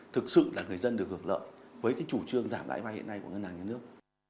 thực sự là người dân được hưởng lợi với cái chủ trương giảm lãi vay hiện nay của ngân hàng nhà nước